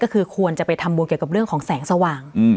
ก็คือควรจะไปทำบุญเกี่ยวกับเรื่องของแสงสว่าง